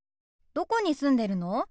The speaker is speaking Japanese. どこに住んでるの？